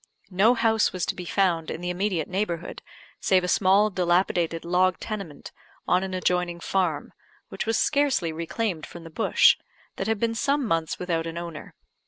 No house was to be found in the immediate neighbourhood, save a small dilapidated log tenement, on an adjoining farm (which was scarcely reclaimed from the bush) that had been some months without an owner.